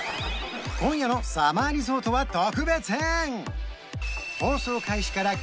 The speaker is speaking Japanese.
今夜の「さまぁリゾート」は特別編！